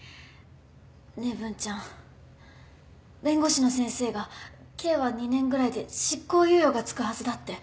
ねえ文ちゃん弁護士の先生が刑は２年ぐらいで執行猶予が付くはずだって。